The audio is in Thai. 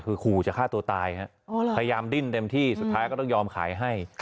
คือขู่จะฆ่าตัวตายพยายามดิ้นเต็มที่สุดท้ายก็ต้องยอมขายให้